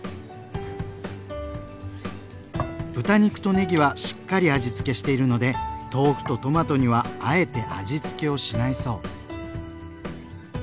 豚肉とねぎはしっかり味つけしているので豆腐とトマトにはあえて味つけをしないそう。